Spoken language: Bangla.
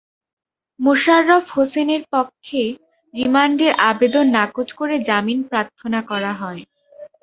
মোশাররফ হোসেনের পক্ষে রিমান্ডের আবেদন নাকচ করে জামিন প্রার্থনা করা হয়।